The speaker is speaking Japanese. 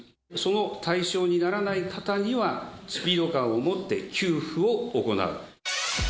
その対象にならない方にはスピード感をもって給付を行う。